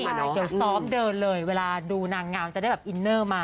เดี๋ยวซ้อมเดินเลยเวลาดูนางงามจะได้แบบอินเนอร์มา